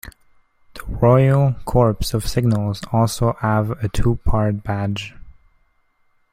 The Royal Corps Of Signals also have a two part badge.